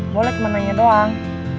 boleh cuma nanya doang